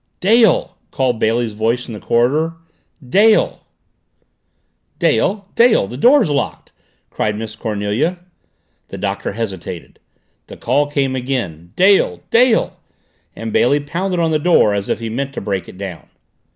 "Dale!" called Bailey's voice from the corridor. "Dale!" "Dale! Dale! The door's locked!" cried Miss Cornelia. The Doctor hesitated. The call came again. "Dale! Dale!" and Bailey pounded on the door as if he meant to break it down.